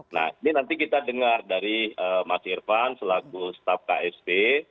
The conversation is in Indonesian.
nah ini nanti kita dengar dari mas irfan selaku staff ksp